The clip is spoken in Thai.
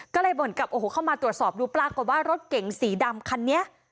ก็เลยบ่นกับโอ้โหเข้ามาตรวจสอบดูปรากฏว่ารถเก๋งสีดำคันนี้